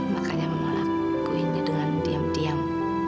makanya mama lakuinnya dengan diam diam